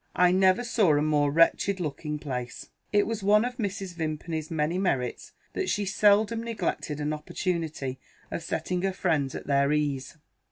I never saw a more wretched looking place." It was one of Mrs. Vimpany's many merits that she seldom neglected an opportunity of setting her friends at their ease.